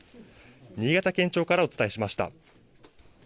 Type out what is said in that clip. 新潟県庁からお伝えしました。